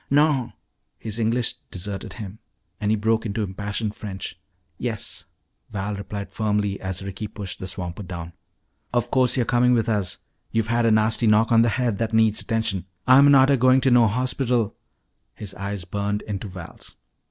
"Non!" his English deserted him and he broke into impassioned French. "Yes," Val replied firmly as Ricky pushed the swamper down. "Of course you're coming with us. You've had a nasty knock on the head that needs attention." "Ah'm not a goin' to no hospital!" His eyes burned into Val's.